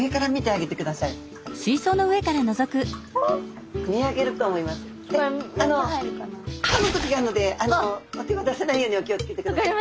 あのかむ時があるのでお手は出さないようにお気をつけてください。